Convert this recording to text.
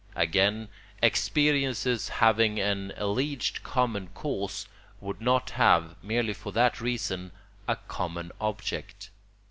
Again, experiences having an alleged common cause would not have, merely for that reason, a common object.